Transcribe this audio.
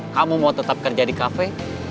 kamu mau tetap kerja di kafe